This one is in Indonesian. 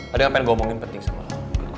ada yang pengen gue omongin penting semua